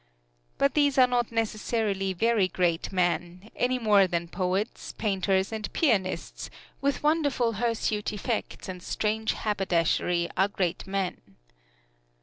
But these are not necessarily very great men, any more than poets, painters and pianists, with wonderful hirsute effects and strange haberdashery are great men.